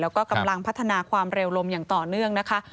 แล้วก็กำลังพัฒนาความเร็วลมอย่างต่อเนื่องนะคะ